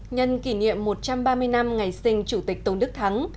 nhân kỷ niệm một trăm ba mươi năm ngày sinh chủ tịch tôn đức thắng